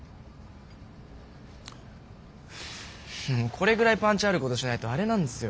これぐらいパンチあることしないとあれなんですよ。